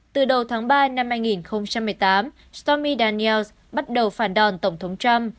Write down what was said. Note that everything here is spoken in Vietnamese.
từ đầu tháng ba năm hai nghìn một mươi tám stomy daniels bắt đầu phản đòn tổng thống trump